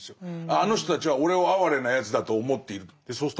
あの人たちは俺を哀れなやつだと思っていると。